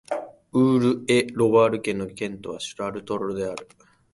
ウール＝エ＝ロワール県の県都はシャルトルである